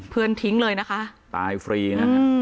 เพื่อนทิ้งเลยนะคะตายฟรีน่ะอืม